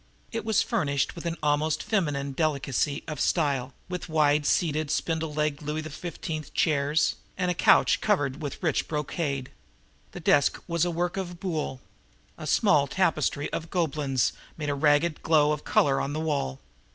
It was furnished with an almost feminine delicacy of style, with wide seated, spindle legged Louis XV. chairs and a couch covered with rich brocade. The desk was a work of Boulle. A small tapestry of the Gobelins made a ragged glow of color on the wall.